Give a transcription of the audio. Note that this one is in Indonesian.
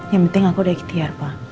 yang penting aku udah ikhtiar pak